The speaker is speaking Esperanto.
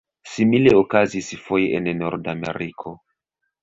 Simile okazis foje en Nordameriko.